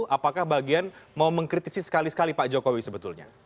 apakah bagian mau mengkritisi sekali sekali pak jokowi sebetulnya